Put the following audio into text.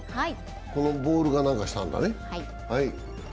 このボールが何かしたんだね。